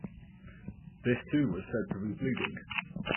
This too was said to be bleeding.